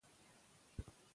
که سوله وي نو هاله نه وي.